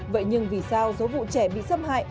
vậy nhưng vì sao số vụ trẻ bị xâm hại